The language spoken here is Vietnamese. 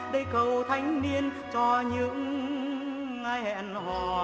đây cầu thanh niên cho những ngày hẹn hò